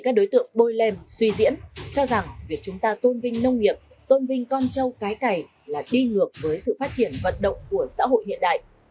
các đối tượng bôi lem suy diễn cho rằng việc chúng ta tôn vinh nông nghiệp tôn vinh con trâu cái cày là đi ngược với sự phát triển vận động của xã hội hiện đại